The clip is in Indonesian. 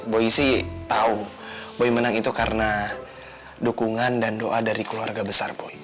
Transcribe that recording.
boy sih tahu boy menang itu karena dukungan dan doa dari keluarga besar boy